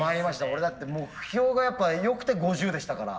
俺だって目標がやっぱよくて５０でしたから。